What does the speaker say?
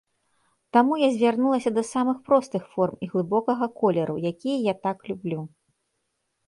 Таму я звярнулася да самых простых форм і глыбокага колеру, якія я так люблю.